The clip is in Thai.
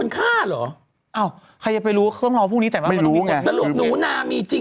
ใครจะไปรู้เครื่องร้องปุ่นที่นี่